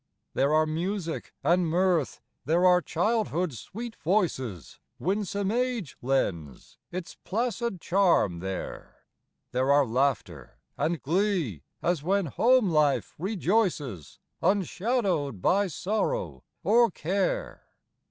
There are music and mirth; there are childhood's sweet voices, Winsome age lends its placid charm there; There are laughter and glee as when home life rejoices Unshadowed by sorrow or care.